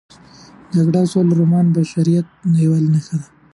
د جګړې او سولې رومان د بشریت د یووالي نښه ده.